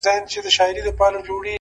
كه زړه يې يوسې و خپل كور ته گراني ـ